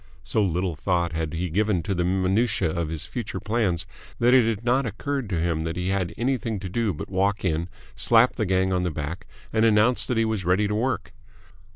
So little thought had he given to the minutiae of his future plans that it had not occurred to him that he had anything to do but walk in, slap the gang on the back, and announce that he was ready to work.